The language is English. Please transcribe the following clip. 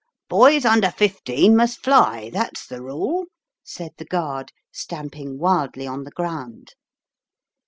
"Boys under fifteen must fly; that's the rule/' said the guard, stamping wildly on the ground.